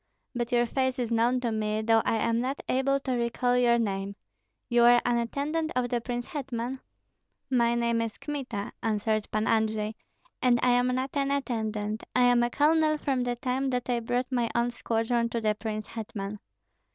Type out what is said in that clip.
But your face is known to me, though I am not able to recall your name. You are an attendant of the prince hetman?" "My name is Kmita," answered Pan Andrei, "and I am not an attendant; I am a colonel from the time that I brought my own squadron to the prince hetman."